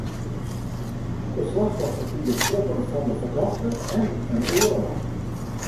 It slachtoffer krige skoppen fan de fertochte en in oare man.